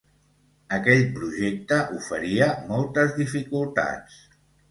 Aquell projecte oferia moltes dificultats.